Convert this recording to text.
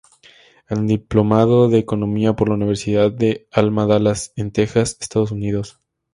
Es diplomado en Economía por la Universidad de Alma Dallas en Texas, Estados Unidos.